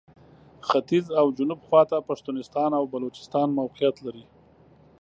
ختیځ او جنوب خواته پښتونستان او بلوچستان موقعیت لري.